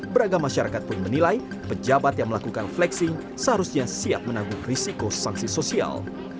beragam masyarakat pun menilai pejabat yang melakukan flexing seharusnya siap menanggung risiko sanksi sosial